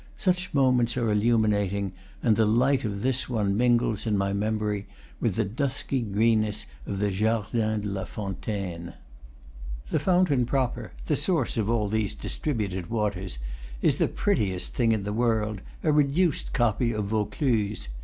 Such mo ments are illuminating, and the light of this one mingles, in my memory, with the dusky greenness of the Jardin de la Fontaine. The fountain proper the source of all these dis tributed waters is the prettiest thing in the world, a reduced copy of Vaucluse.